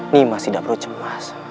nimas tidak perlu cemas